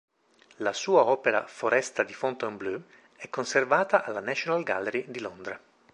La sua opera "Foresta di Fontainebleau" è conservata alla National Gallery di Londra.